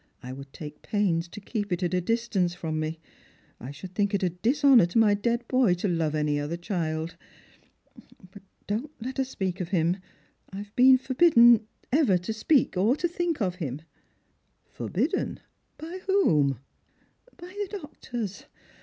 I would take pains to keep it at a distance from me. I should think it a dishonour to my dead boy to love any other child. But don't let us speak of him. I have been for bidden ever to speak or to think of him." "Forbidden? By whom?" " By the doctors.